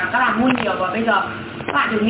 kể cả các bà mua nhiều